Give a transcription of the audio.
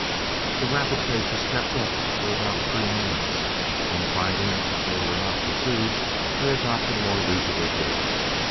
The rapid pace was kept up for about three miles, when finding they were not pursued, they adopted a more leisurely gait.